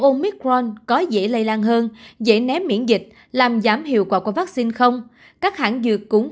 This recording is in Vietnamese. ômicron có dễ lây lan hơn dễ ném miễn dịch làm giảm hiệu quả của vaccine không các hãng dược cũng